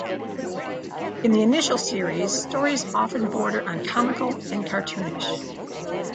In the initial series, stories often border on comical and cartoonish.